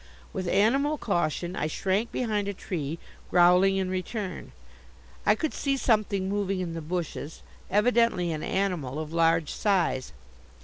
With animal caution I shrank behind a tree, growling in return. I could see something moving in the bushes, evidently an animal of large size.